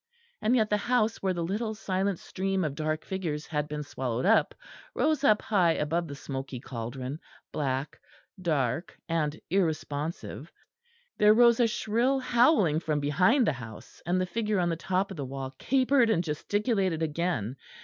And yet the house where the little silent stream of dark figures had been swallowed up rose up high above the smoky cauldron, black, dark, and irresponsive. There rose a shrill howling from behind the house, and the figure on the top of the wall capered and gesticulated again.